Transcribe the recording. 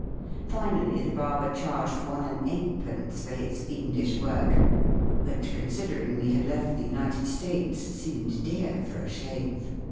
Finally the barber charged one and eightpence for his fiendish work, which, con sidering we had left the United States, seemed dear for a shave.